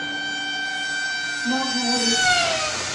ناز مو ولید.